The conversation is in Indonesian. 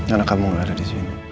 anak kamu gak ada disini